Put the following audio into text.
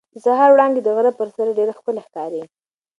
د سهار وړانګې د غره پر سر ډېرې ښکلې ښکاري.